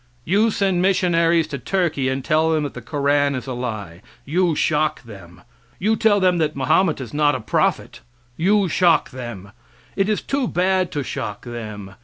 You send missionaries to Turkey and tell them that the Koran is a lie. You shock them. You tell them that Mahomet was not a prophet. You shock them. It is too bad to shock them.